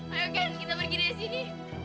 ayo kan kita pergi dari sini